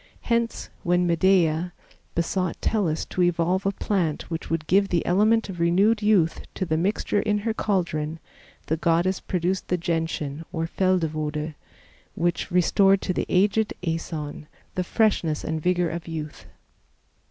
Hence, when Medea besought Tellus to evolve a plant which would give the element of renewed youth to the mixture in her caldron, the goddess produced the Gentian or Feldewode, which restored to the aged Aeson the freshness and vigor of youth.